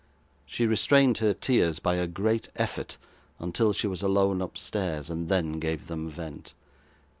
She restrained her tears by a great effort until she was alone upstairs, and then gave them vent.